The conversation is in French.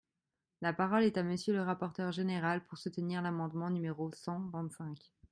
La parole est à Monsieur le rapporteur général, pour soutenir l’amendement numéro cent vingt-cinq.